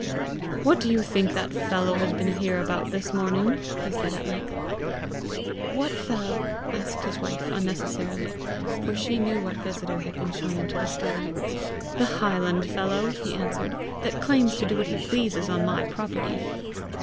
"What do you think that fellow has been here about this morning?" he said at length. "What fellow?" asked his wife unnecessarily, for she knew what visitor had been shown into the study. "The highland fellow," he answered, "that claims to do what he pleases on my property!"